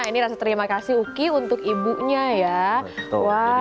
ini rasa terimakasih uki untuk ibunya ya